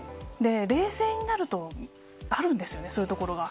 冷静になると、あるんですよね、そういう所が。